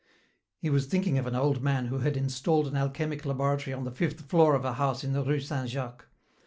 He was thinking of an old man who had installed an alchemic laboratory on the fifth floor of a house in the rue Saint Jacques.